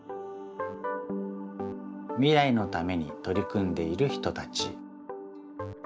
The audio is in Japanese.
みらいのためにとりくんでいる人たち。